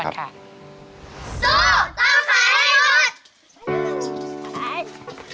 สู้ต้องขายให้หมด